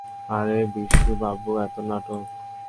আরে, বিশু বাবু, এত নাটক?